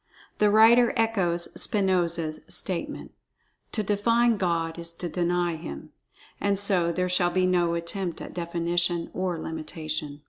The writer echoes Spinoza's statement: "To define God is to deny Him." And so there shall be no attempt at definition or limitation.